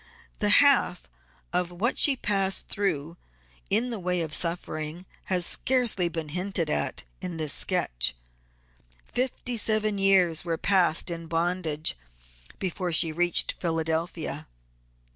The half of what she passed through in the way of suffering has scarcely been hinted at in this sketch. Fifty seven years were passed in bondage before she reached Philadelphia.